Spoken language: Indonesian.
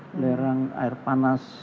belerang air panas